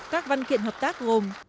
các văn kiện hợp tác gồm